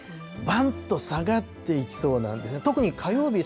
ばんと下がっていきそうなんですね。